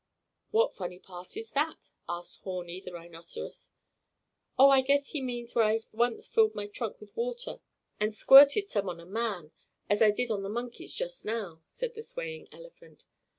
"What funny part is that?" asked Horni, the rhinoceros. "Oh, I guess he means where I once filled my trunk with water and squirted some on a man, as I did on the monkeys just now," said the swaying elephant.